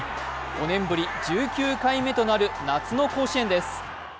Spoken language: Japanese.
５年ぶり１９回目となる夏の甲子園です。